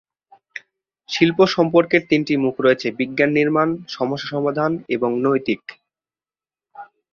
শিল্প সম্পর্কের তিনটি মুখ রয়েছে: বিজ্ঞান নির্মাণ, সমস্যা সমাধান এবং নৈতিক।